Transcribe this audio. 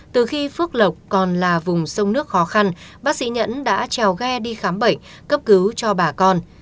từ khi phước lộc còn là vùng sông nước khó khăn bác sĩ nhẫn đã trèo ghe đi khám bệnh cấp cứu cho bà con